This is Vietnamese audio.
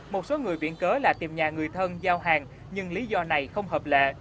một số người viện cớ là tìm nhà người thân giao hàng nhưng lý do này không hợp lệ